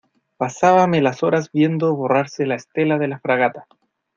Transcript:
pasábame las horas viendo borrarse la estela de la fragata.